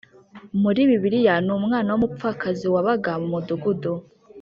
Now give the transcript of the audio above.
Muri bibiliya ni umwana w umupfakazi wabaga mu mudugudu